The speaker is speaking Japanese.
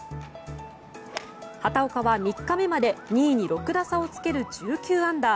畑岡は３日目まで２位に６打差をつける１９アンダー。